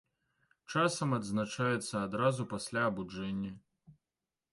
Часам адзначаецца адразу пасля абуджэння.